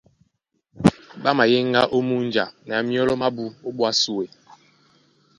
Ɓá mayéŋgá ó múnja na myɔ́lɔ mábū ó ɓwá súe.